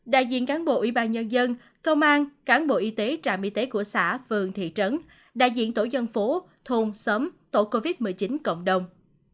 đại diện cán bộ ủy ban nhân dân công an cán bộ y tế trạm y tế của xã phường thị trấn đại diện tổ dân phố thôn xóm tổ covid một mươi chín cộng đồng